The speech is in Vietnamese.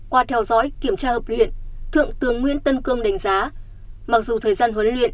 qua theo dõi kiểm tra hợp luyện thượng tướng nguyễn tân cương đánh giá mặc dù thời gian huấn luyện